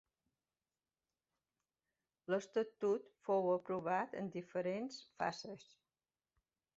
L'estatut fou aprovat en diferents fases.